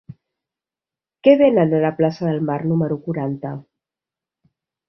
Què venen a la plaça del Mar número quaranta?